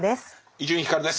伊集院光です。